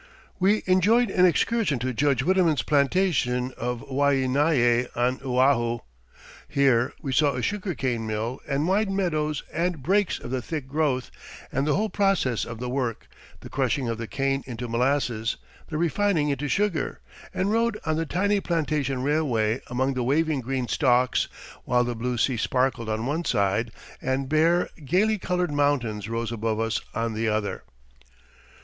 We enjoyed an excursion to Judge Widemann's plantation of Waianae on Oahu. Here we saw a sugar cane mill and wide meadows and brakes of the thick growth, and the whole process of the work the crushing of the cane into molasses, the refining into sugar and rode on the tiny plantation railway among the waving green stalks, while the blue sea sparkled on one side, and bare, gaily coloured mountains rose above us on the other.